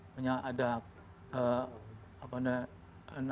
hanya ada apa namanya